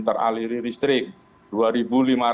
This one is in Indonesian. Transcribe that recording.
teraliri listrik rp dua lima ratus